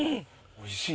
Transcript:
おいしい。